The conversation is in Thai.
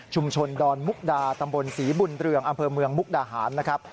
ดอนมุกดาตำบลศรีบุญเรืองอำเภอเมืองมุกดาหารนะครับ